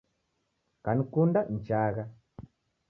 Kanikunda nichagha